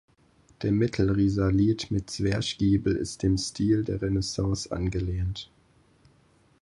Der Mittelrisalit mit Zwerchgiebel ist dem Stil der Renaissance angelehnt.